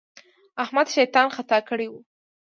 احمد شيطان خطا کړی وو.